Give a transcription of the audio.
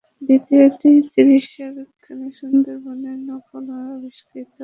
দ্বিতীয়টি চিকিৎসাবিজ্ঞানে, সুন্দরবনের নব-আবিষ্কৃত প্রাণ-প্রজাতি থেকে ক্যান্সার প্রতিরোধী কৃত্রিম কোষ তৈরিতে।